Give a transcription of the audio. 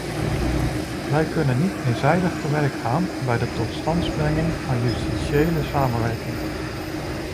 Wij kunnen niet eenzijdig te werk gaan bij de totstandbrenging van justitiële samenwerking.